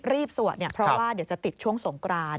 สวดเนี่ยเพราะว่าเดี๋ยวจะติดช่วงสงกราน